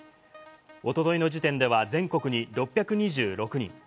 おとといの時点では全国に６２６人。